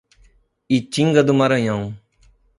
Itinga do Maranhão